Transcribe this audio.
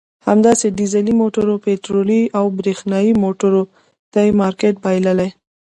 همداسې ډیزلي موټر پټرولي او برېښنایي موټر ته مارکېټ بایللی.